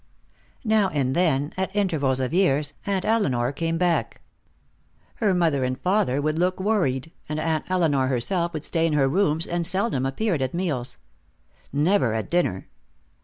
Now and then, at intervals of years, Aunt Elinor came back. Her mother and father would look worried, and Aunt Elinor herself would stay in her rooms, and seldom appeared at meals. Never at dinner.